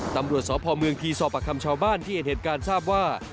ตำรวจสพเมืองพีสอบประคำชาวบ้านที่เห็นเหตุการณ์ทราบว่า